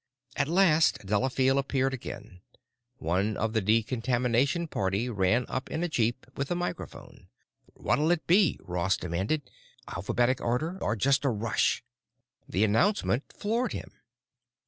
At last Delafield appeared again. One of the decontamination party ran up in a jeep with a microphone. "What'll it be?" Ross demanded. "Alphabetic order? Or just a rush?" The announcement floored him.